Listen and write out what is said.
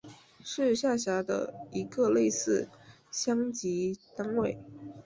是下辖的一个类似乡级单位。